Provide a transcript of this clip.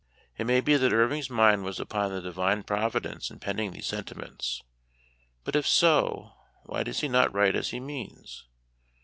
It may be that Irving's mind was upon the Divine Providence in penning these senti ments ; but if so, why does he not write as he means